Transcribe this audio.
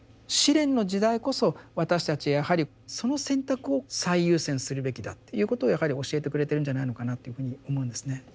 試練の時代こそ私たちはやはりその選択を最優先するべきだっていうことをやはり教えてくれてるんじゃないのかなというふうに思うんですね。